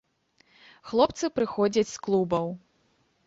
Хлопцы прыходзяць з клубаў.